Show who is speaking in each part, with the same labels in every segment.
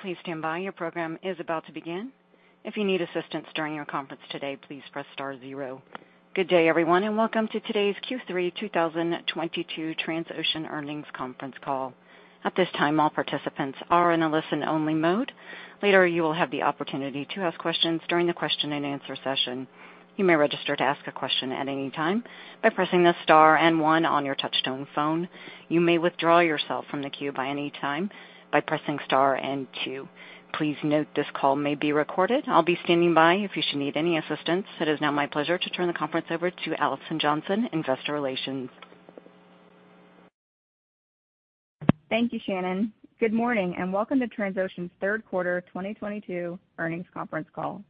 Speaker 1: Please stand by. Your program is about to begin. If you need assistance during your conference today, please press star zero. Good day everyone, and welcome to today's Q3 2022 Transocean Earnings Conference Call. At this time, all participants are in a listen-only mode. Later, you will have the opportunity to ask questions during the question-and-answer session. You may register to ask a question at any time by pressing the star and one on your touchtone phone. You may withdraw yourself from the queue by any time by pressing star and two. Please note this call may be recorded. I'll be standing by if you should need any assistance. It is now my pleasure to turn the conference over to Alison Johnson, Investor Relations.
Speaker 2: Thank you, Shannon. Good morning, and welcome to Transocean's third quarter 2022 earnings conference call.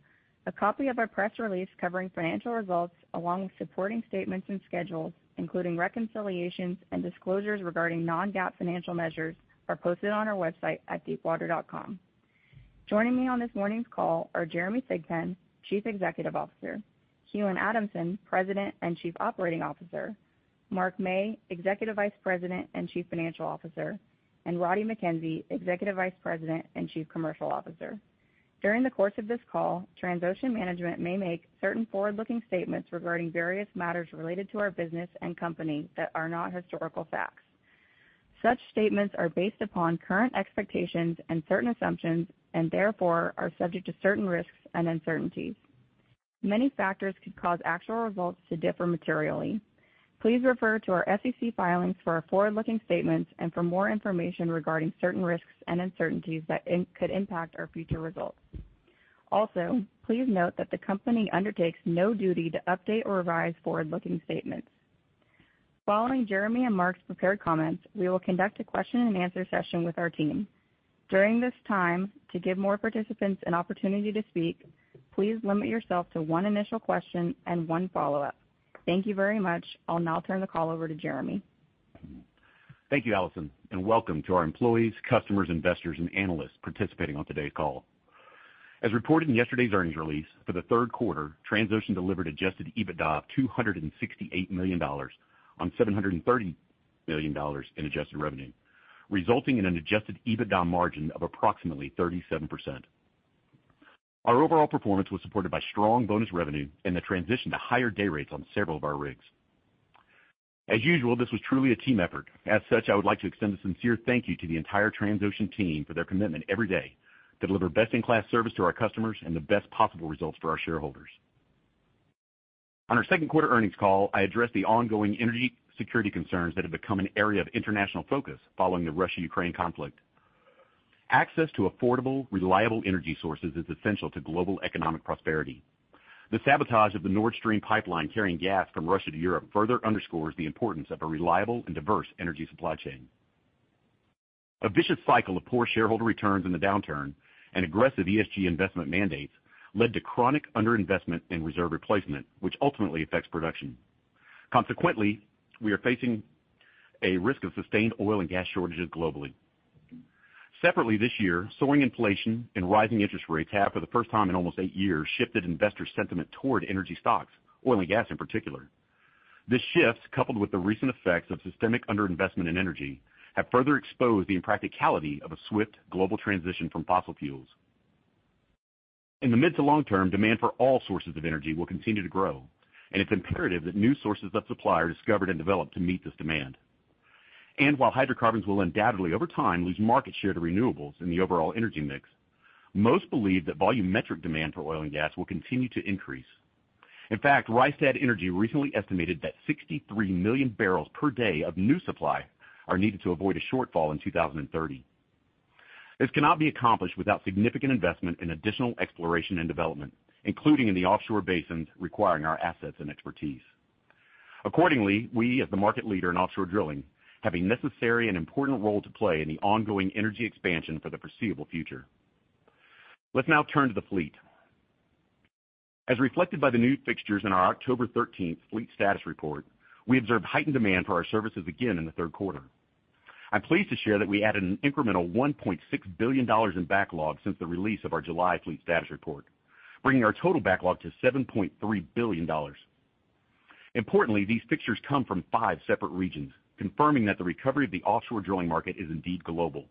Speaker 2: A copy of our press release covering financial results along with supporting statements and schedules, including reconciliations and disclosures regarding non-GAAP financial measures, are posted on our website at deepwater.com. Joining me on this morning's call are Jeremy Thigpen, Chief Executive Officer, Keelan Adamson, President and Chief Operating Officer, Mark Mey, Executive Vice President and Chief Financial Officer, and Roddie Mackenzie, Executive Vice President and Chief Commercial Officer. During the course of this call, Transocean management may make certain forward-looking statements regarding various matters related to our business and company that are not historical facts. Such statements are based upon current expectations and certain assumptions, and therefore, are subject to certain risks and uncertainties. Many factors could cause actual results to differ materially. Please refer to our SEC filings for our forward-looking statements and for more information regarding certain risks and uncertainties that could impact our future results. Also, please note that the company undertakes no duty to update or revise forward-looking statements. Following Jeremy and Mark's prepared comments, we will conduct a question-and-answer session with our team. During this time, to give more participants an opportunity to speak, please limit yourself to one initial question and one follow-up. Thank you very much. I'll now turn the call over to Jeremy.
Speaker 3: Thank you, Alison, and welcome to our employees, customers, investors, and analysts participating on today's call. As reported in yesterday's earnings release, for the third quarter, Transocean delivered adjusted EBITDA of $268 million on $730 million in adjusted revenue, resulting in an adjusted EBITDA margin of approximately 37%. Our overall performance was supported by strong bonus revenue and the transition to higher dayrates on several of our rigs. As usual, this was truly a team effort. As such, I would like to extend a sincere thank you to the entire Transocean team for their commitment every day to deliver best-in-class service to our customers and the best possible results for our shareholders. On our second quarter earnings call, I addressed the ongoing energy security concerns that have become an area of international focus following the Russia-Ukraine conflict. Access to affordable, reliable energy sources is essential to global economic prosperity. The sabotage of the Nord Stream pipeline carrying gas from Russia to Europe further underscores the importance of a reliable and diverse energy supply chain. A vicious cycle of poor shareholder returns in the downturn and aggressive ESG investment mandates led to chronic underinvestment in reserve replacement, which ultimately affects production. Consequently, we are facing a risk of sustained oil and gas shortages globally. Separately this year, soaring inflation and rising interest rates have, for the first time in almost eight years, shifted investor sentiment toward energy stocks, oil and gas in particular. This shift, coupled with the recent effects of systemic underinvestment in energy, have further exposed the impracticality of a swift global transition from fossil fuels. In the mid to long-term, demand for all sources of energy will continue to grow, and it's imperative that new sources of supply are discovered and developed to meet this demand. And, while hydrocarbons will undoubtedly, over time, lose market share to renewables in the overall energy mix, most believe that volumetric demand for oil and gas will continue to increase. In fact, Rystad Energy recently estimated that 63 MMbpd of new supply are needed to avoid a shortfall in 2030. This cannot be accomplished without significant investment in additional exploration and development, including in the offshore basins requiring our assets and expertise. Accordingly, we, as the market leader in offshore drilling, have a necessary and important role to play in the ongoing energy expansion for the foreseeable future. Let's now turn to the fleet. As reflected by the new fixtures in our October 13th fleet status report, we observed heightened demand for our services again in the third quarter. I'm pleased to share that we added an incremental $1.6 billion in backlog since the release of our July fleet status report, bringing our total backlog to $7.3 billion. Importantly, these fixtures come from five separate regions, confirming that the recovery of the offshore drilling market is indeed global.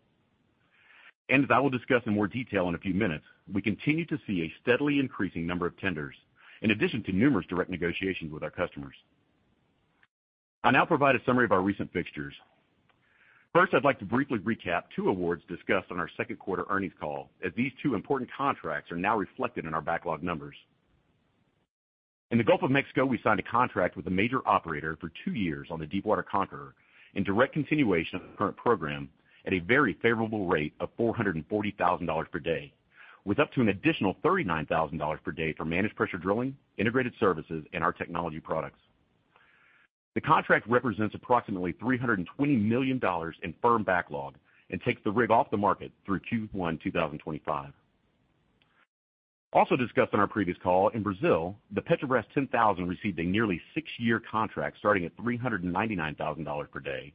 Speaker 3: And, I will discuss in more detail in a few minutes, we continue to see a steadily increasing number of tenders in addition to numerous direct negotiations with our customers. And, I'll now provide a summary of our recent fixtures. First, I'd like to briefly recap two awards discussed on our second quarter earnings call, as these two important contracts are now reflected in our backlog numbers. In the Gulf of Mexico, we signed a contract with a major operator for two years on the Deepwater Conqueror in direct continuation of the current program at a very favorable rate of $440,000 per day, with up to an additional $39,000 per day for managed pressure drilling, integrated services, and our technology products. The contract represents approximately $320 million in firm backlog and takes the rig off the market through Q1 2025. Also discussed on our previous call, in Brazil, the Petrobras 10000 received a nearly six-year contract starting at $399,000 per day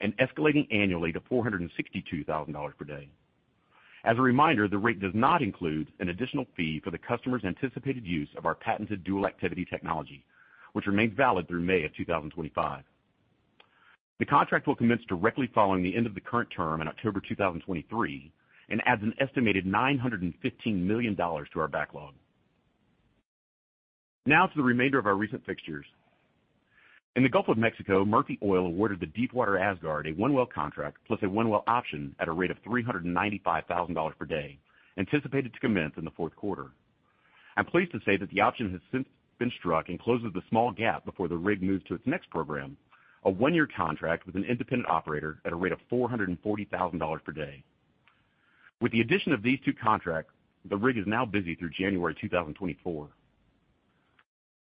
Speaker 3: and escalating annually to $462,000 per day. As a reminder, the rate does not include an additional fee for the customer's anticipated use of our patented dual activity technology, which remains valid through May of 2025. The contract will commence directly following the end of the current term in October 2023 and adds an estimated $915 million to our backlog. Now to the remainder of our recent fixtures. In the Gulf of Mexico, Murphy Oil awarded the Deepwater Asgard a one-well contract plus a one-well option at a rate of $395,000 per day, anticipated to commence in the fourth quarter. I'm pleased to say that the option has since been struck and closes the small gap before the rig moves to its next program, a one-year contract with an independent operator at a rate of $440,000 per day. With the addition of these two contracts, the rig is now busy through January 2024.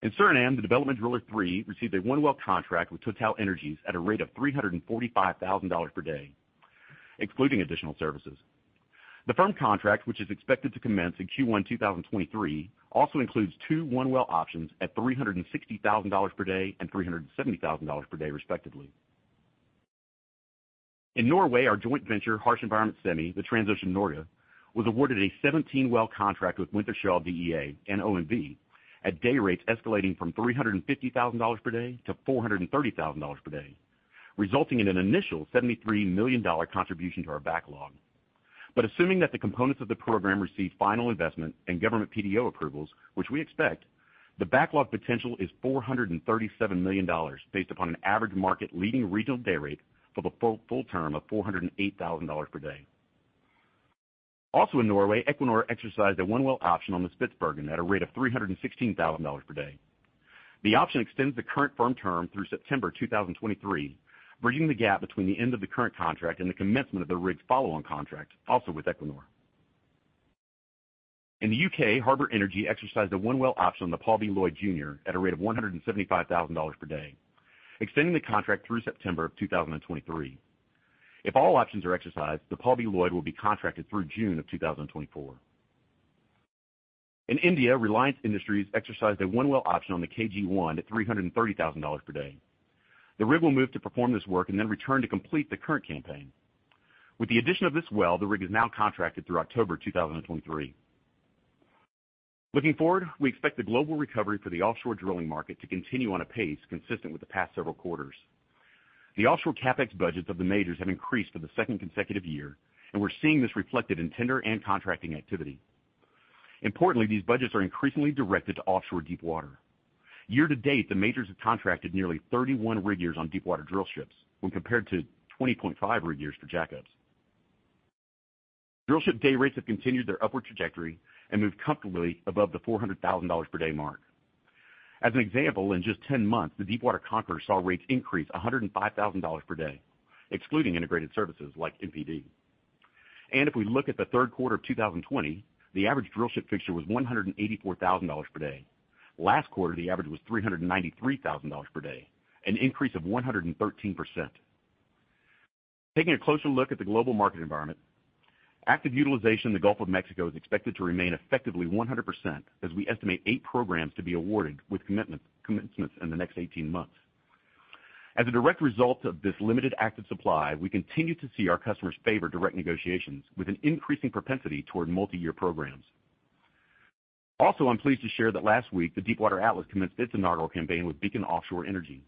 Speaker 3: In Suriname, the Development Driller III received a one-well contract with TotalEnergies at a rate of $345,000 per day, excluding additional services. The firm contract, which is expected to commence in Q1 2023, also includes two one-well options at $360,000 per day and $370,000 per day, respectively. In Norway, our joint venture, Harsh Environment Semi, the Transocean Norge, was awarded a 17-well contract with Wintershall Dea and OMV at day rates escalating from $350,000 per day to $430,000 per day, resulting in an initial $73 million contribution to our backlog. Assuming that the components of the program receive final investment and government PDO approvals, which we expect, the backlog potential is $437 million based upon an average market-leading regional day rate for the full term of $408,000 per day. Also in Norway, Equinor exercised a one-well option on the Spitsbergen at a rate of $316,000 per day. The option extends the current firm term through September 2023, bridging the gap between the end of the current contract and the commencement of the rig's follow-on contract, also with Equinor. In the U.K., Harbour Energy exercised a one-well option on the Paul B. Loyd, Jr. at a rate of $175,000 per day, extending the contract through September 2023. If all options are exercised, the Paul B. Loyd, Jr. will be contracted through June of 2024. In India, Reliance Industries exercised a one-well option on the KG-1 at $330,000 per day. The rig will move to perform this work and then return to complete the current campaign. With the addition of this well, the rig is now contracted through October 2023. Looking forward, we expect the global recovery for the offshore drilling market to continue on a pace consistent with the past several quarters. The offshore CapEx budgets of the majors have increased for the second consecutive year, and we're seeing this reflected in tender and contracting activity. Importantly, these budgets are increasingly directed to offshore Deepwater. Year-to-date, the majors have contracted nearly 31 rig years on Deepwater drillships when compared to 20.5 rig years for jackups. Drillship day rates have continued their upward trajectory and moved comfortably above the $400,000 per day mark. As an example, in just 10 months, the Deepwater Conqueror saw rates increase $105,000 per day, excluding integrated services like MPD. If we look at the third quarter of 2020, the average drillship fixture was $184,000 per day. Last quarter, the average was $393,000 per day, an increase of 113%. Taking a closer look at the global market environment, active utilization in the Gulf of Mexico is expected to remain effectively 100% as we estimate eight programs to be awarded with commitment, commencements in the next 18 months. As a direct result of this limited active supply, we continue to see our customers favor direct negotiations with an increasing propensity toward multiyear programs. Also, I'm pleased to share that last week, the Deepwater Atlas commenced its inaugural campaign with Beacon Offshore Energy.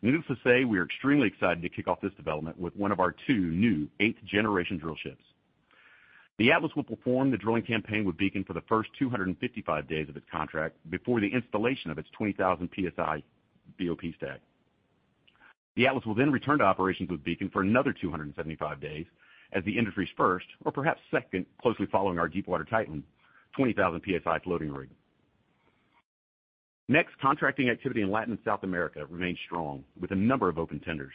Speaker 3: Needless to say, we are extremely excited to kick off this development with one of our two new eighth-generation drillships. The Atlas will perform the drilling campaign with Beacon for the first 255 days of its contract before the installation of its 20,000 PSI BOP stack. The Atlas will then return to operations with Beacon for another 275 days as the industry's first, or perhaps second, closely following our Deepwater Titan, 20,000 PSI floating rig. Next, contracting activity in Latin America remains strong, with a number of open tenders.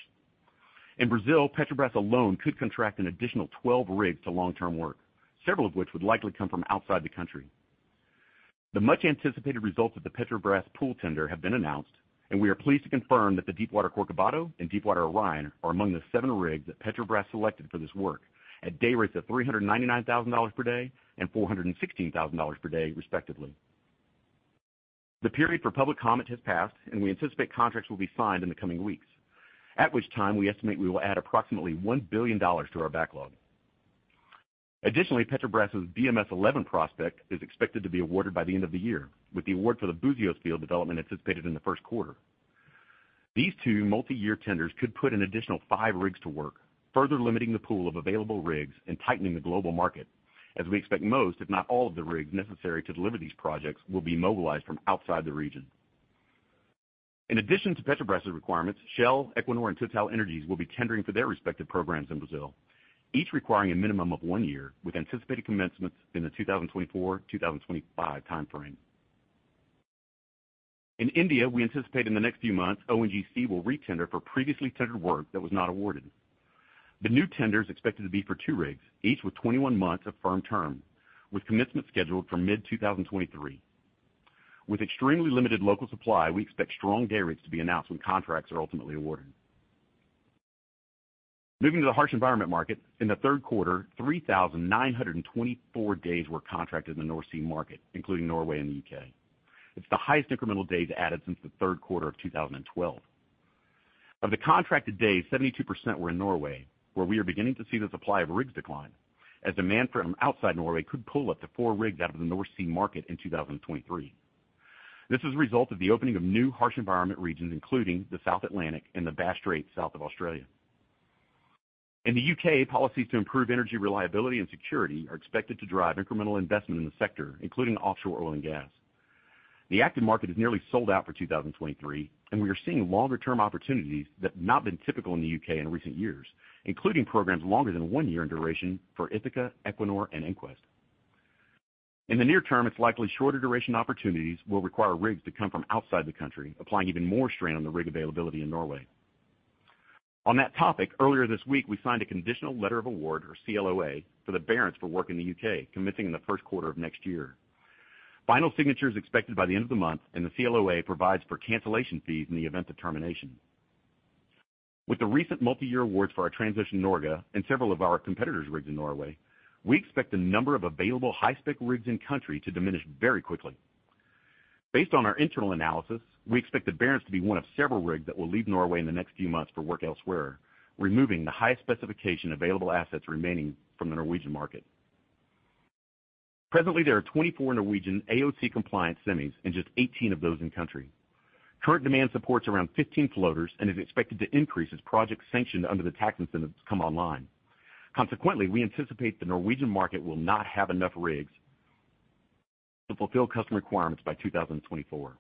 Speaker 3: In Brazil, Petrobras alone could contract an additional 12 rigs to long-term work, several of which would likely come from outside the country. The much-anticipated results of the Petrobras pool tender have been announced, and we are pleased to confirm that the Deepwater Corcovado and Deepwater Orion are among the seven rigs that Petrobras selected for this work at day rates of $399,000 per day and $416,000 per day, respectively. The period for public comment has passed, and we anticipate contracts will be signed in the coming weeks, at which time we estimate we will add approximately $1 billion to our backlog. Additionally, Petrobras's BMS-11 prospect is expected to be awarded by the end of the year, with the award for the Buzios field development anticipated in the first quarter. These two multiyear tenders could put an additional five rigs to work, further limiting the pool of available rigs and tightening the global market, as we expect most, if not all, of the rigs necessary to deliver these projects will be mobilized from outside the region. In addition to Petrobras's requirements, Shell, Equinor, and TotalEnergies will be tendering for their respective programs in Brazil, each requiring a minimum of one year, with anticipated commencements in the 2024, 2025 timeframe. In India, we anticipate in the next few months, ONGC will retender for previously tendered work that was not awarded. The new tender is expected to be for two rigs, each with 21 months of firm term, with commencement scheduled for mid-2023. With extremely limited local supply, we expect strong day rates to be announced when contracts are ultimately awarded. Moving to the harsh environment market, in the third quarter, 3,924 days were contracted in the North Sea market, including Norway and the UK. It's the highest incremental days added since the third quarter of 2012. Of the contracted days, 72% were in Norway, where we are beginning to see the supply of rigs decline as demand from outside Norway could pull up to four rigs out of the North Sea market in 2023. This is a result of the opening of new harsh environment regions, including the South Atlantic and the Bass Strait south of Australia. In the U.K., policies to improve energy reliability and security are expected to drive incremental investment in the sector, including offshore oil and gas. The active market is nearly sold out for 2023, and we are seeing longer-term opportunities that have not been typical in the U.K. in recent years, including programs longer than one year in duration for Ithaca, Equinor, and EnQuest. In the near-term, it's likely shorter duration opportunities will require rigs to come from outside the country, applying even more strain on the rig availability in Norway. On that topic, earlier this week, we signed a conditional letter of award, or CLOA, for the Barents for work in the U.K., commencing in the first quarter of next year. Final signature is expected by the end of the month, and the CLOA provides for cancellation fees in the event of termination. With the recent multi-year awards for our Transocean Norge and several of our competitors' rigs in Norway, we expect the number of available high-spec rigs in country to diminish very quickly. Based on our internal analysis, we expect the Barents to be one of several rigs that will leave Norway in the next few months for work elsewhere, removing the highest specification available assets remaining from the Norwegian market. Presently, there are 24 Norwegian AOC-compliant semis and just 18 of those in country. Current demand supports around 15 floaters and is expected to increase as projects sanctioned under the tax incentives come online. Consequently, we anticipate the Norwegian market will not have enough rigs to fulfill customer requirements by 2024.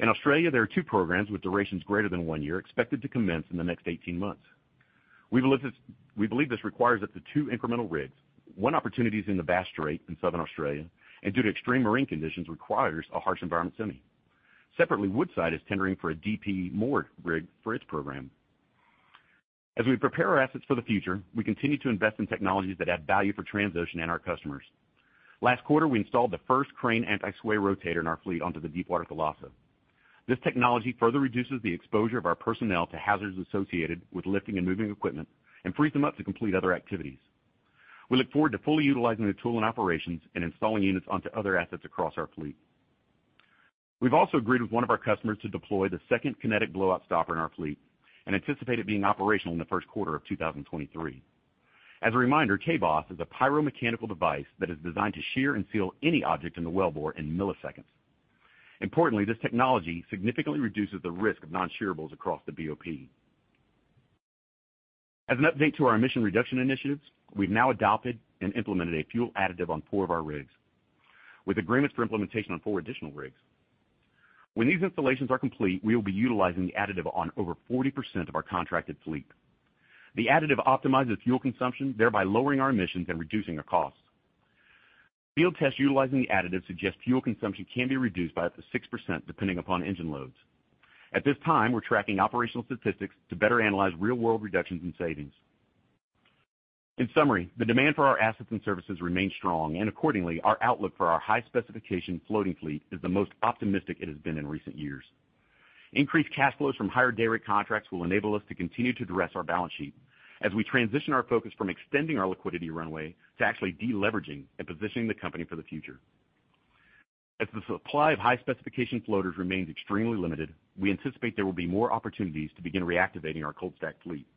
Speaker 3: In Australia, there are two programs with durations greater than one year expected to commence in the next 18 months. We believe this requires up to two incremental rigs. One opportunity is in the Bass Strait in Southern Australia, and due to extreme marine conditions, requires a harsh environment semi. Separately, Woodside is tendering for a DP moored rig for its program. As we prepare our assets for the future, we continue to invest in technologies that add value for Transocean and our customers. Last quarter, we installed the first crane anti-sway rotator in our fleet onto the Deepwater Colossus. This technology further reduces the exposure of our personnel to hazards associated with lifting and moving equipment and frees them up to complete other activities. We look forward to fully utilizing the tool and operations and installing units onto other assets across our fleet. We've also agreed with one of our customers to deploy the second Kinetic Blowout Stopper in our fleet and anticipate it being operational in the first quarter of 2023. As a reminder, KBOS is a pyromechanical device that is designed to shear and seal any object in the wellbore in milliseconds. Importantly, this technology significantly reduces the risk of non-sharebles across the BOP. As an update to our emission reduction initiatives, we've now adopted and implemented a fuel additive on four of our rigs, with agreements for implementation on four additional rigs. When these installations are complete, we will be utilizing the additive on over 40% of our contracted fleet. The additive optimizes fuel consumption, thereby lowering our emissions and reducing our costs. Field tests utilizing the additive suggest fuel consumption can be reduced by up to 6% depending upon engine loads. At this time, we're tracking operational statistics to better analyze real-world reductions in savings. In summary, the demand for our assets and services remains strong, and accordingly, our outlook for our high-specification floating fleet is the most optimistic it has been in recent years. Increased cash flows from higher dayrate contracts will enable us to continue to de-risk our balance sheet as we transition our focus from extending our liquidity runway to actually de-leveraging and positioning the company for the future. As the supply of high-specification floaters remains extremely limited, we anticipate there will be more opportunities to begin reactivating our cold-stacked fleet.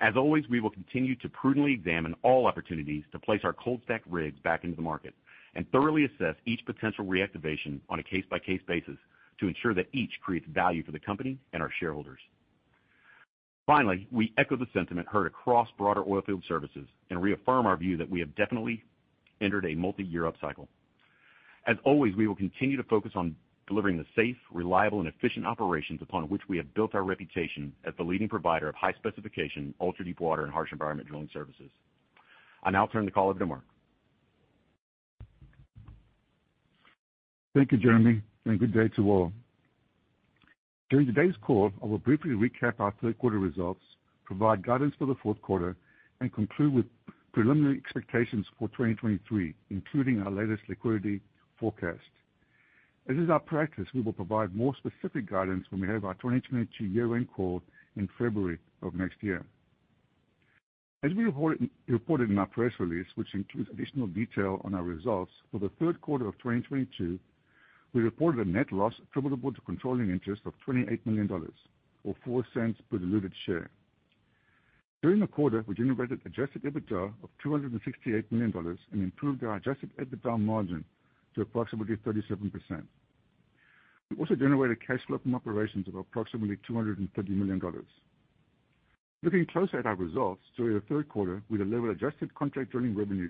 Speaker 3: As always, we will continue to prudently examine all opportunities to place our cold-stacked rigs back into the market and thoroughly assess each potential reactivation on a case-by-case basis to ensure that each creates value for the company and our shareholders. Finally, we echo the sentiment heard across broader oil field services and reaffirm our view that we have definitely entered a multi-year upcycle. As always, we will continue to focus on delivering the safe, reliable, and efficient operations upon which we have built our reputation as the leading provider of high-specification, ultra-deepwater, and harsh-environment drilling services. I now turn the call over to Mark.
Speaker 4: Thank you, Jeremy, and good day to all. During today's call, I will briefly recap our third quarter results, provide guidance for the fourth quarter, and conclude with preliminary expectations for 2023, including our latest liquidity forecast. As is our practice, we will provide more specific guidance when we have our 2022 year-end call in February of next year. As we reported in our press release, which includes additional detail on our results, for the third quarter of 2022, we reported a net loss attributable to controlling interest of $28 million or $0.04 per diluted share. During the quarter, we generated adjusted EBITDA of $268 million and improved our adjusted EBITDA margin to approximately 37%. We also generated cash flow from operations of approximately $230 million. Looking closer at our results during the third quarter, we delivered adjusted contract drilling revenue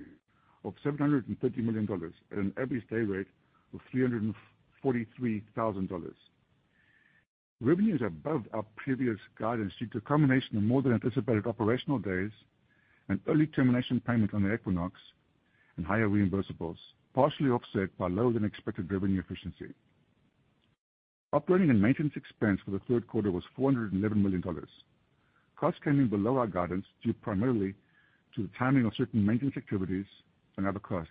Speaker 4: of $730 million at an average dayrate of $343,000. Revenues above our previous guidance due to a combination of more than anticipated operational days and early termination payment on the Equinox and higher reimbursables, partially offset by lower than expected revenue efficiency. Operating and maintenance expense for the third quarter was $411 million. Costs came in below our guidance due primarily to the timing of certain maintenance activities and other costs.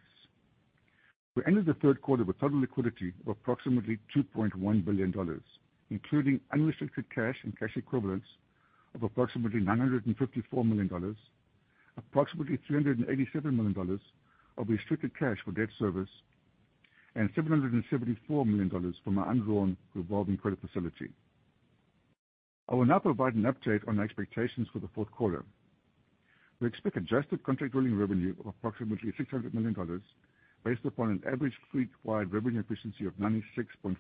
Speaker 4: We ended the third quarter with total liquidity of approximately $2.1 billion, including unrestricted cash and cash equivalents of approximately $954 million, approximately $387 million of restricted cash for debt service, and $774 million from our undrawn revolving credit facility. I will now provide an update on our expectations for the fourth quarter. We expect adjusted contract drilling revenue of approximately $600 million based upon an average fleet-wide revenue efficiency of 96.5%.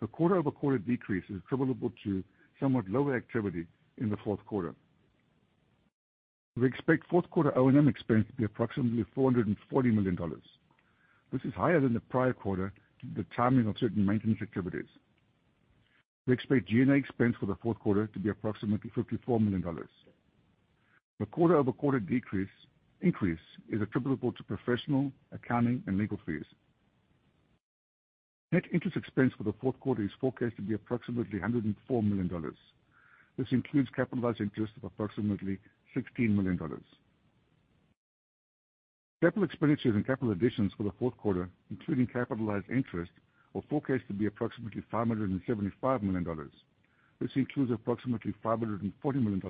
Speaker 4: The quarter-over-quarter decrease is attributable to somewhat lower activity in the fourth quarter. We expect fourth quarter O&M expense to be approximately $440 million. This is higher than the prior quarter due to the timing of certain maintenance activities. We expect G&A expense for the fourth quarter to be approximately $54 million. The quarter-over-quarter increase is attributable to professional, accounting and legal fees. Net interest expense for the fourth quarter is forecast to be approximately $104 million. This includes capitalized interest of approximately $16 million. Capital expenditures and capital additions for the fourth quarter, including capitalized interest, are forecast to be approximately $575 million. This includes approximately $540 million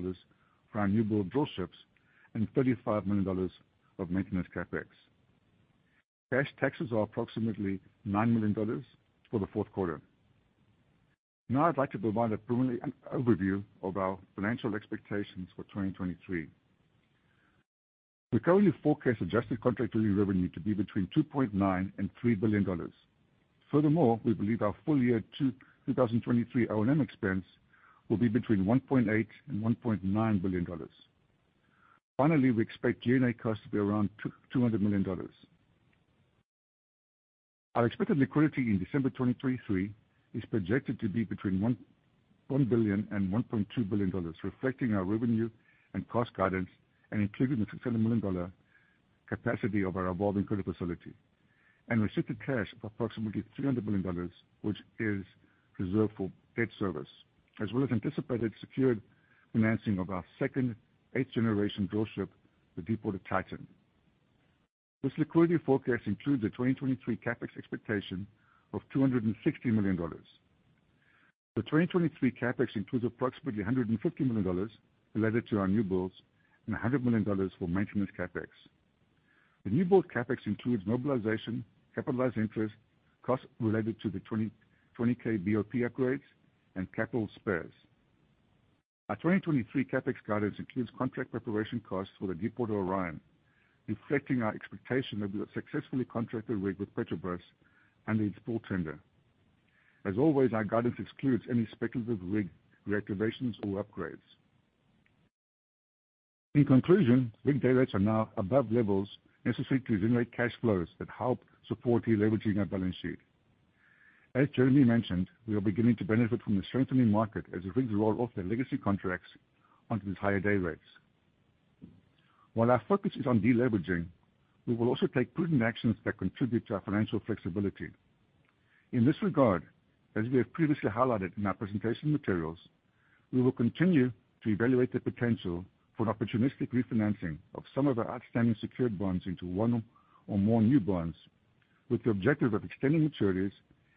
Speaker 4: for our newbuild drill ships and $35 million of maintenance CapEx. Cash taxes are approximately $9 million for the fourth quarter. Now I'd like to provide a preliminary overview of our financial expectations for 2023. We currently forecast adjusted contract drilling revenue to be between $2.9 billion and $3 billion. Furthermore, we believe our full year 2023 O&M expense will be between $1.8 billion and $1.9 billion. Finally, we expect G&A costs to be around $200 million. Our expected liquidity in December 2023 is projected to be between $1 billion and $1.2 billion, reflecting our revenue and cost guidance and including the $600 million capacity of our revolving credit facility and restricted cash of approximately $300 million, which is reserved for debt service, as well as anticipated secured financing of our second eighth-generation drillship, the Deepwater Titan. This liquidity forecast includes a 2023 CapEx expectation of $260 million. The 2023 CapEx includes approximately $150 million related to our newbuilds and $100 million for maintenance CapEx. The newbuild CapEx includes mobilization, capitalized interest, costs related to the 20K BOP upgrades and capital spares. Our 2023 CapEx guidance includes contract preparation costs for the Deepwater Orion, reflecting our expectation that we have successfully contracted rig with Petrobras and its full tender. As always, our guidance excludes any speculative rig reactivations or upgrades. In conclusion, rig day rates are now above levels necessary to generate cash flows that help support deleveraging our balance sheet. As Jeremy mentioned, we are beginning to benefit from the strengthening market as rigs roll off their legacy contracts onto these higher day rates. While our focus is on deleveraging, we will also take prudent actions that contribute to our financial flexibility. In this regard, as we have previously highlighted in our presentation materials, we will continue to evaluate the potential for an opportunistic refinancing of some of our outstanding secured bonds into one or more new bonds, with the objective of extending maturities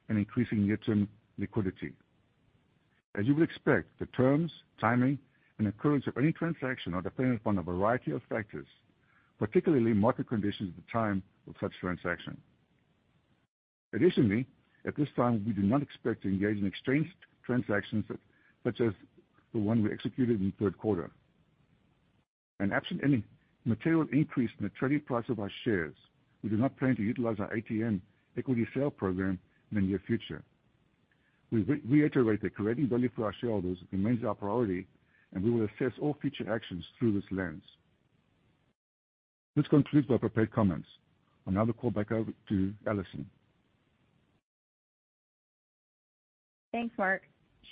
Speaker 4: and increasing near-term liquidity. As you would expect, the terms, timing and occurrence of any transaction are dependent upon a variety of factors, particularly market conditions at the time of such transaction. Additionally, at this time, we do not expect to engage in exchange transactions such as the one we executed in the third quarter. Absent any material increase in the trading price of our shares, we do not plan to utilize our ATM equity sale program in the near future. We reiterate that creating value for our shareholders remains our priority, and we will assess all future actions through this lens. This concludes my prepared comments. I'll now turn the call back over to Alison.
Speaker 2: Thanks, Mark.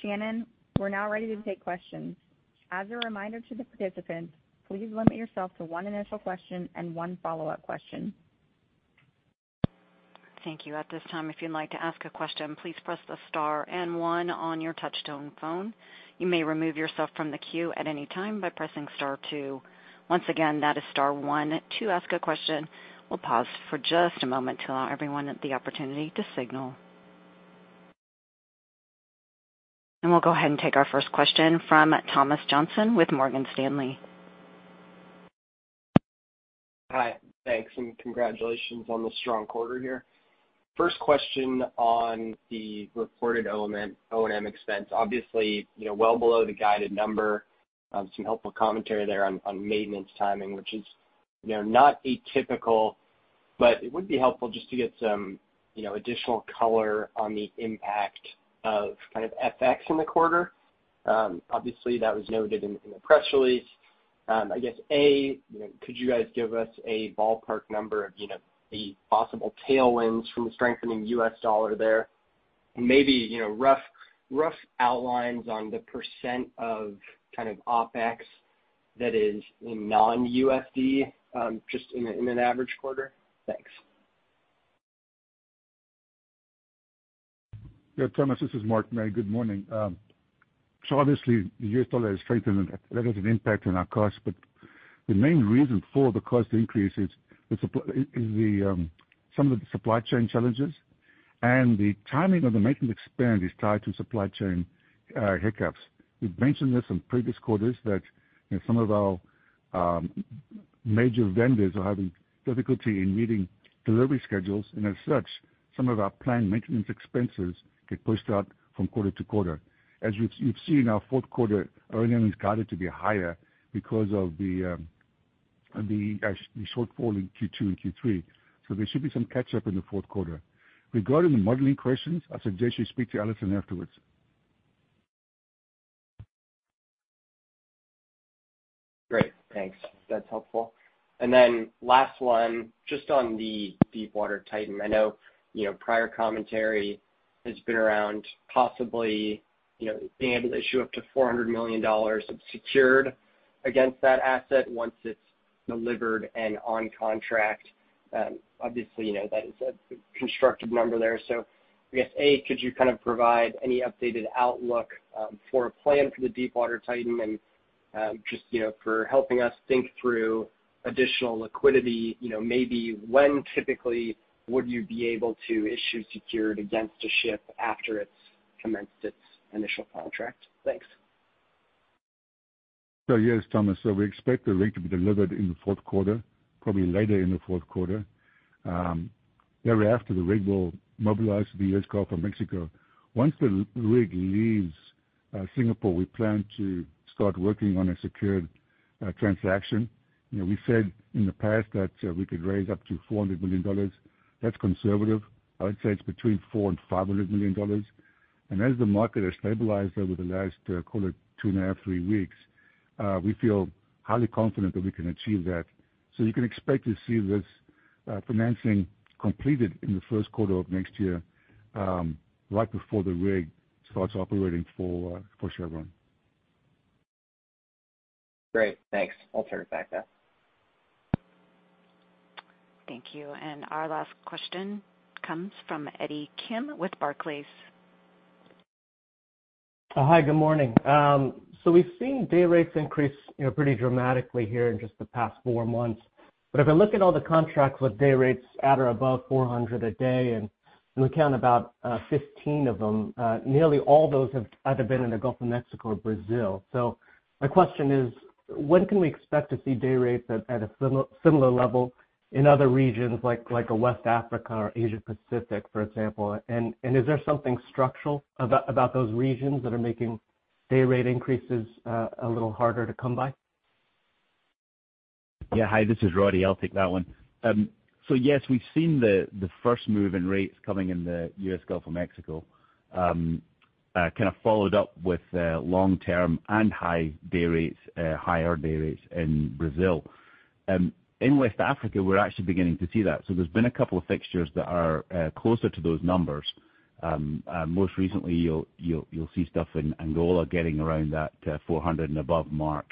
Speaker 2: Shannon, we're now ready to take questions. As a reminder to the participants, please limit yourself to one initial question and one follow-up question.
Speaker 1: Thank you. At this time, if you'd like to ask a question, please press the star and one on your touchtone phone. You may remove yourself from the queue at any time by pressing star two. Once again, that is star one to ask a question. We'll pause for just a moment to allow everyone the opportunity to signal. We'll go ahead and take our first question from Thomas Johnson with Morgan Stanley.
Speaker 5: Hi. Thanks, and congratulations on the strong quarter here. First question on the reported O&M expense, obviously, you know, well below the guided number. Some helpful commentary there on maintenance timing, which is, you know, not atypical, but it would be helpful just to get some, you know, additional color on the impact of kind of FX in the quarter. Obviously that was noted in the press release. I guess, a, you know, could you guys give us a ballpark number of, you know, the possible tailwinds from the strengthening U.S. dollar there? And maybe, you know, rough outlines on the percent of kind of OpEx that is in non-USD, just in an average quarter? Thanks.
Speaker 4: Yeah, Thomas, this is Mark Mey. Good morning. Obviously the U.S. dollar has strengthened and that has an impact on our costs. The main reason for the cost increase is some of the supply chain challenges and the timing of the maintenance expense is tied to supply chain hiccups. We've mentioned this in previous quarters that, you know, some of our major vendors are having difficulty in meeting delivery schedules and as such, some of our planned maintenance expenses get pushed out from quarter-to-quarter. As you've seen our fourth quarter earnings guided to be higher because of the shortfall in Q2 and Q3. So, there should be some catch up in the fourth quarter. Regarding the modeling questions, I suggest you speak to Alison afterwards.
Speaker 5: Great, thanks. That's helpful. And then last one, just on the Deepwater Titan. I know, you know, prior commentary has been around possibly, you know, being able to issue up to $400 million of secured against that asset once it's delivered and on contract. Obviously, you know, that is a constructive number there. I guess, A, could you kind of provide any updated outlook for a plan for the Deepwater Titan? Just, you know, for helping us think through additional liquidity, you know, maybe when typically would you be able to issue secured against a ship after it's commenced its initial contract? Thanks.
Speaker 4: Yes, Thomas. We expect the rig to be delivered in the fourth quarter, probably later in the fourth quarter. Thereafter, the rig will mobilize to the U.S. Gulf of Mexico. Once the rig leaves Singapore, we plan to start working on a secured transaction. You know, we said in the past that we could raise up to $400 million. That's conservative. I would say it's $400 million-$500 million. As the market has stabilized over the last, call it two and a half to three weeks, we feel highly confident that we can achieve that. You can expect to see this financing completed in the first quarter of next year, right before the rig starts operating for Chevron.
Speaker 5: Great. Thanks. I'll turn it back now.
Speaker 1: Thank you. Our last question comes from Eddie Kim with Barclays.
Speaker 6: Hi, good morning. So, we've seen day rates increase, you know, pretty dramatically here in just the past four months. But if I look at all the contracts with day rates at or above 400 a day, and we count about 15 of them, nearly all those have either been in the Gulf of Mexico or Brazil. So, my question is, when can we expect to see day rates at a similar level in other regions like West Africa or Asia Pacific, for example? And Is there something structural about those regions that are making day rate increases a little harder to come by?
Speaker 7: Yeah. Hi, this is Roddie. I'll take that one. Yes, we've seen the first move in rates coming in the U.S. Gulf of Mexico, kind of followed up with long-term and high day rates, higher day rates in Brazil. In West Africa, we're actually beginning to see that. There's been a couple of fixtures that are closer to those numbers. Most recently you'll see stuff in Angola getting around that $400 and above mark.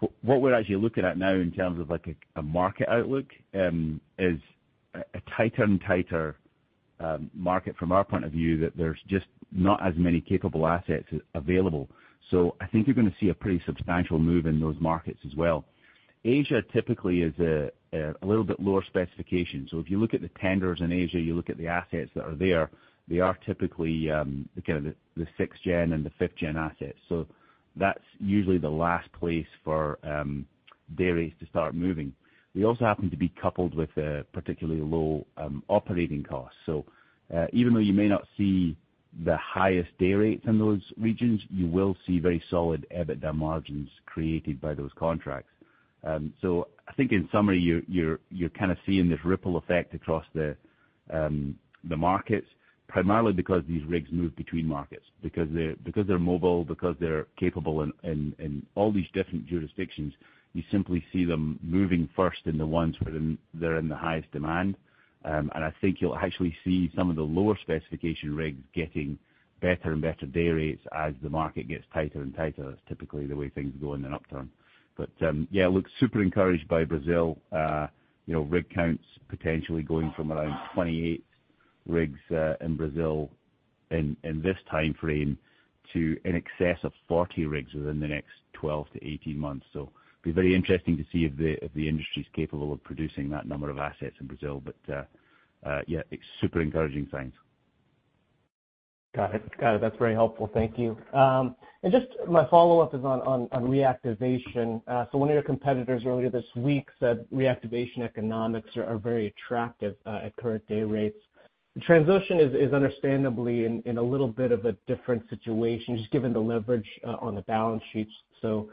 Speaker 7: What we're actually looking at now in terms of like a market outlook is a tighter and tighter market from our point of view, that there's just not as many capable assets available. I think you're gonna see a pretty substantial move in those markets as well. Asia typically is a little bit lower specification. If you look at the tenders in Asia, you look at the assets that are there, they are typically again, the sixth gen and the fifth gen assets. That's usually the last place for day rates to start moving. We also happen to be coupled with particularly low operating costs. Even though you may not see the highest day rates in those regions, you will see very solid EBITDA margins created by those contracts. So, I think in summary, you're kinda seeing this ripple effect across the markets, primarily because these rigs move between markets because they're mobile, because they're capable in all these different jurisdictions. You simply see them moving first in the ones where they're in the highest demand. I think you'll actually see some of the lower specification rigs getting better and better day rates as the market gets tighter and tighter it's typically the way things go in an upturn. But, yeah, I'm super encouraged by Brazil. You know, rig counts potentially going from around 28 rigs in Brazil in this time frame to in excess of 40 rigs within the next 12-18 months. It'll be very interesting to see if the industry's capable of producing that number of assets in Brazil. But, yeah, it's super encouraging signs.
Speaker 6: Got it. That's very helpful. Thank you. Just my follow-up is on reactivation. One of your competitors earlier this week said reactivation economics are very attractive at current day rates. Transocean is understandably in a little bit of a different situation just given the leverage on the balance sheets. So,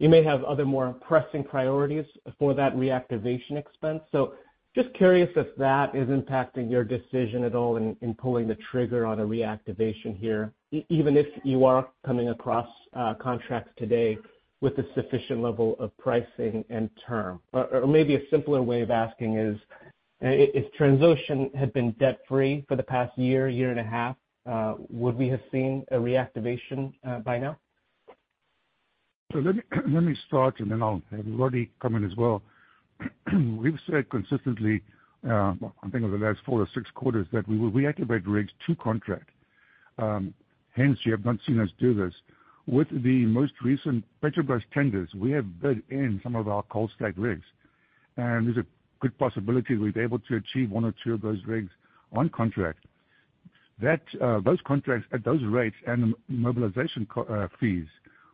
Speaker 6: you may have other more pressing priorities for that reactivation expense. So, just curious if that is impacting your decision at all in pulling the trigger on a reactivation here even if you are coming across contracts today with a sufficient level of pricing and term? Or maybe a simpler way of asking is, if Transocean had been debt-free for the past year and a half, would we have seen a reactivation by now?
Speaker 4: Let me start and then I'll have Roddie come in as well. We've said consistently, I think over the last four-six quarters, that we will reactivate rigs to contract. Hence, you have not seen us do this. With the most recent Petrobras tenders, we have bid in some of our cold stack rigs. And there's a good possibility we'll be able to achieve one or two of those rigs on contract. That, those contracts at those rates and mobilization costs and fees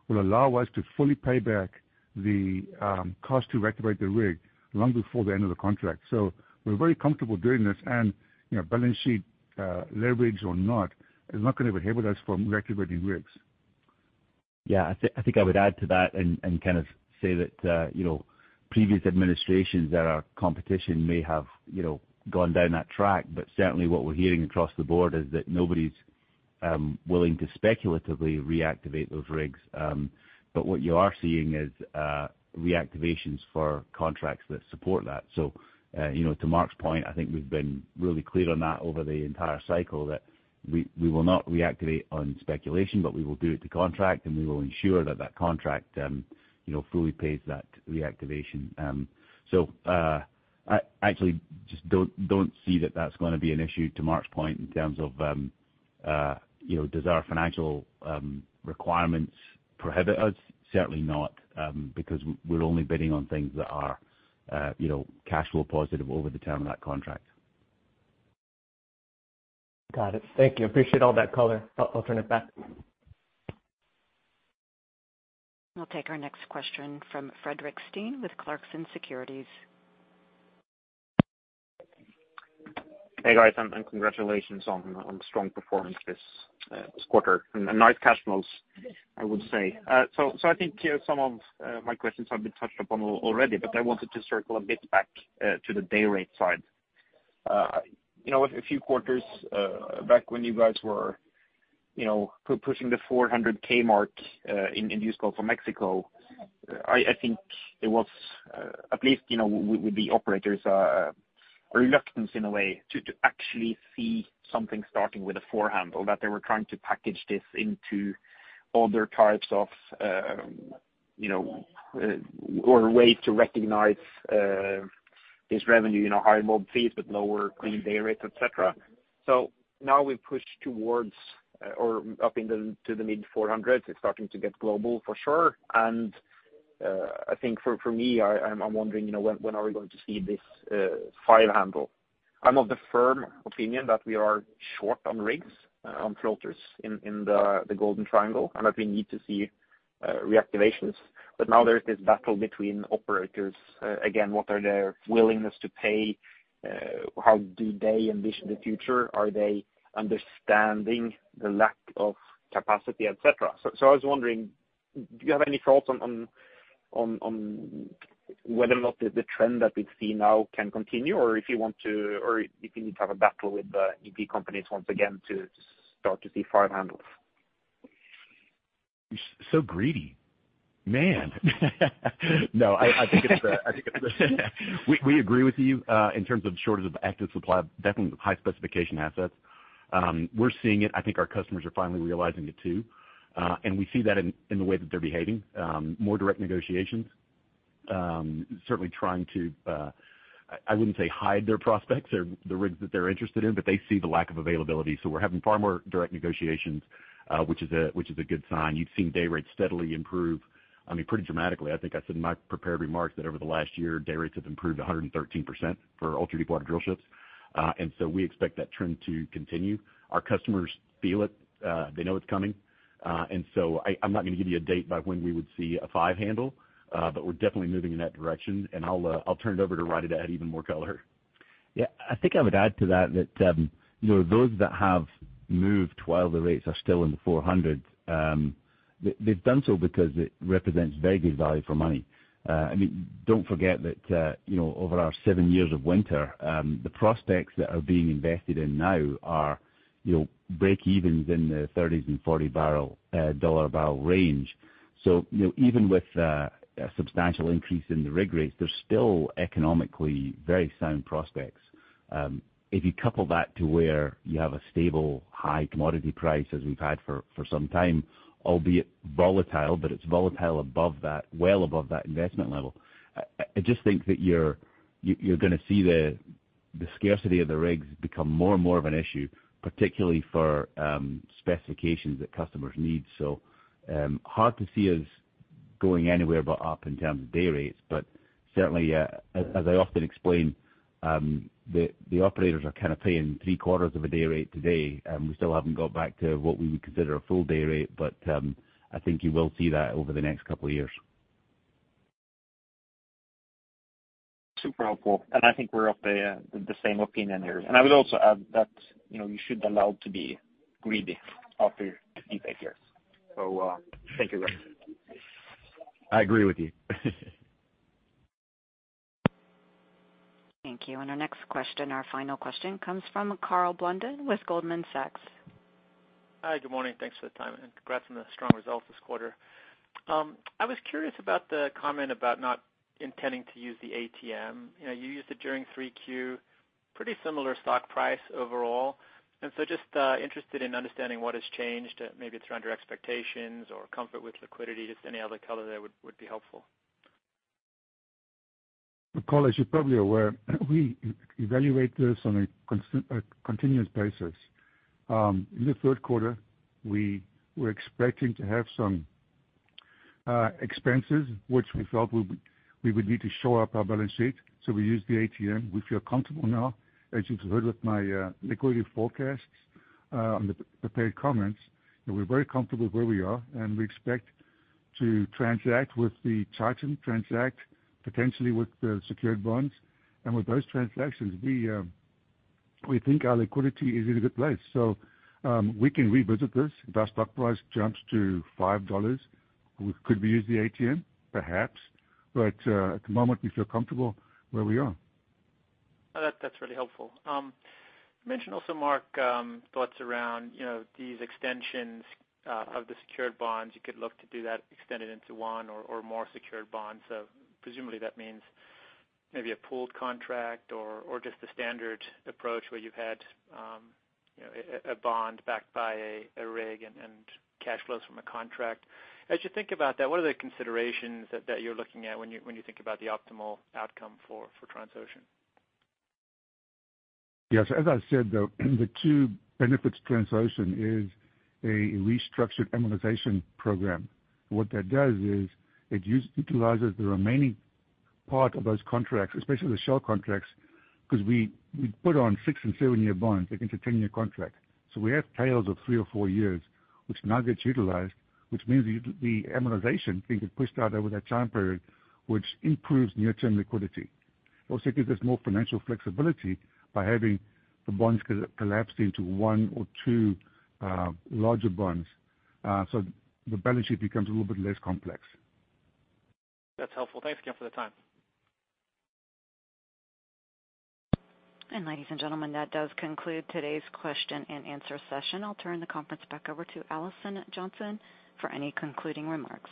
Speaker 4: will allow us to fully pay back the cost to reactivate the rig long before the end of the contract. We're very comfortable doing this. And, balance sheet leverage or not, is not gonna inhibit us from reactivating rigs.
Speaker 7: Yeah, I think I would add to that and kind of say that you know, previous administrations that our competition may have you know, gone down that track. Certainly what we're hearing across the board is that nobody's willing to speculatively reactivate those rigs. And, what you are seeing is reactivations for contracts that support that. So you know, to Mark's point, I think we've been really clear on that over the entire cycle that we will not reactivate on speculation, but we will do it to contract, and we will ensure that that contract you know, fully pays that reactivation. And so, actually just don't see that that's gonna be an issue to Mark's point in terms of you know, does our financial requirements prohibit us? Certainly not, because we're only bidding on things that are, you know, cash flow positive over the term of that contract.
Speaker 6: Got it. Thank you. Appreciate all that color. I'll turn it back.
Speaker 1: We'll take our next question from Fredrik Stene with Clarksons Securities.
Speaker 8: Hey, guys, congratulations on the strong performance this quarter. Nice cash flows, I would say. I think some of my questions have been touched upon already, but I wanted to circle a bit back to the day rate side. You know, a few quarters back when you guys were, you know, pushing the $400K mark in U.S. Gulf of Mexico, I think it was, at least, with the operators, a reluctance in a way to actually see something starting with a four handle, that they were trying to package this into other types of, you know, or a way to recognize this revenue, you know, high mob fees, but lower clean day rates, et cetera. So now we've pushed towards or up into the mid-$400s. It's starting to get global for sure. I think for me, I'm wondering, you know, when are we going to see this $5 handle? I'm of the firm opinion that we are short on rigs on floaters in the Golden Triangle, and that we need to see reactivations. Now there's this battle between operators. And again, what are their willingness to pay? How do they envision the future? Are they understanding the lack of capacity, et cetera? So, I was wondering, do you have any thoughts on whether or not the trend that we see now can continue, or if you need to have a battle with the E&P companies once again to start to see five handles?
Speaker 3: You're so greedy. Man. No, we agree with you in terms of shortage of active supply, definitely high specification assets. We're seeing it. I think our customers are finally realizing it too. And we see that in the way that they're behaving, more direct negotiations, certainly trying to, I wouldn't say hide their prospects or the rigs that they're interested in, but they see the lack of availability. We're having far more direct negotiations, which is a good sign. You've seen day rates steadily improve, I mean, pretty dramatically. I think I said in my prepared remarks that over the last year, day rates have improved 113% for ultra-Deepwater drillships. We expect that trend to continue. Our customers feel it. They know it's coming. I'm not gonna give you a date by when we would see a five handle, but we're definitely moving in that direction. I'll turn it over to Roddie to add even more color.
Speaker 7: Yeah. I think I would add to that that you know, those that have moved while the rates are still in the 400, they've done so because it represents very good value for money. I mean, don't forget that, you know, over our seven years of winter, the prospects that are being invested in now are, you know, breakevens in the $30 and $40 barrel at barrel range. So, even with a substantial increase in the rig rates, they're still economically very sound prospects. If you couple that to where you have a stable high commodity price, as we've had for some time, albeit volatile, but it's volatile above that, well above that investment level. And, I just think that you're gonna see the scarcity of the rigs become more and more of an issue, particularly for specifications that customers need. Hard to see us going anywhere but up in terms of day rates. Certainly, as I often explain, the operators are kind of paying three-quarters of a day rate today. And so we still haven't got back to what we would consider a full day rate, but I think you will see that over the next couple of years.
Speaker 8: Super helpful. I think we're of the same opinion here. I would also add that, you know, you should be allowed to be greedy after these eight years. Thank you, guys.
Speaker 3: I agree with you.
Speaker 1: Thank you. Our next question, our final question, comes from Karl Blunden with Goldman Sachs.
Speaker 9: Hi. Good morning. Thanks for the time, and congrats on the strong results this quarter. I was curious about the comment about not intending to use the ATM. You know, you used it during 3Q, pretty similar stock price overall, and so just interested in understanding what has changed. Maybe it's around your expectations or comfort with liquidity, just any other color there would be helpful.
Speaker 4: Well, Karl, as you're probably aware, we evaluate this on a continuous basis. In the third quarter, we were expecting to have some expenses, which we felt we would need to shore up our balance sheet. We used the ATM. We feel comfortable now, as you've heard with my liquidity forecasts on the prepared comments, that we're very comfortable where we are, and we expect to transact with the Titan, transact potentially with the secured bonds. And with those transactions, we think our liquidity is in a good place. We can revisit this. If our stock price jumps to $5, we could use the ATM, perhaps. At the moment, we feel comfortable where we are.
Speaker 9: That's really helpful. You mentioned also, Mark, thoughts around, you know, these extensions of the secured bonds. You could look to do that extended into one or more secured bonds. Presumably that means maybe a pooled contract or just the standard approach where you've had, you know, a bond backed by a rig and cash flows from a contract. As you think about that, what are the considerations that you're looking at when you think about the optimal outcome for Transocean?
Speaker 4: Yes, as I said, though, the two benefits Transocean's restructured amortization program. What that does is it utilizes the remaining part of those contracts, especially the Shell contracts, because we put on six and seven-year bonds against a 10-year contract. We have tails of three or four years, which now gets utilized, which means the amortization can get pushed out over that time period, which improves near-term liquidity. It also gives us more financial flexibility by having the bonds co-collapsed into one or two larger bonds. So the balance sheet becomes a little bit less complex.
Speaker 9: That's helpful. Thanks again for the time.
Speaker 1: Ladies and gentlemen, that does conclude today's question-and-answer session. I'll turn the conference back over to Alison Johnson for any concluding remarks.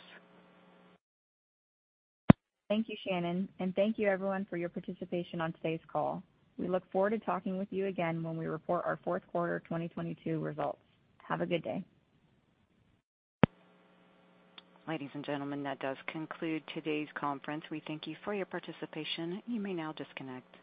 Speaker 2: Thank you, Shannon. Thank you everyone for your participation on today's call. We look forward to talking with you again when we report our fourth quarter of 2022 results. Have a good day.
Speaker 1: Ladies and gentlemen, that does conclude today's conference. We thank you for your participation. You may now disconnect.